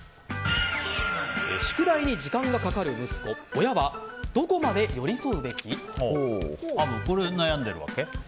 宿題に時間がかかる息子アブ、これ悩んでるわけ？